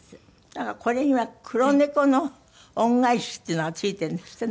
なんかこれには「黒猫の恩返し」っていうのがついてるんですって？